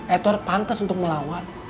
edward pantes untuk melawan